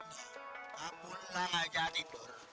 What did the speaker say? nah pulang aja tidur